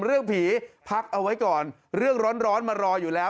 เรื่องผีพักเอาไว้ก่อนเรื่องร้อนมารออยู่แล้ว